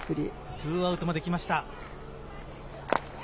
２アウトまで来ました。